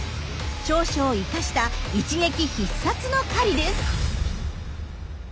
長所を生かした一撃必殺の狩りです。